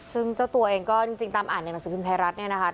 ซึ่งเจ้าตัวเองก็จริงตามอ่านในหนังสือพิมพ์ไทยรัฐเนี่ยนะคะ